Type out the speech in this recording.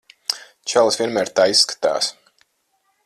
Čalis vienmēr tā izskatās.